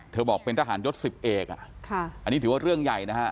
บอกเป็นทหารยศ๑๐เอกอันนี้ถือว่าเรื่องใหญ่นะฮะ